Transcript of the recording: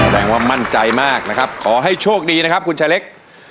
แสดงว่ามั่นใจมากนะครับขอให้โชคดีนะครับคุณชายเล็ก